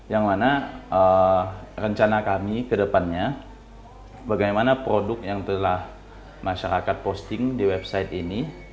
yang mana rencana kami ke depannya bagaimana produk yang telah masyarakat posting di website ini